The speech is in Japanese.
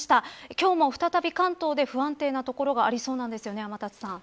今日も再び関東で不安定な所がありそうなんですよね。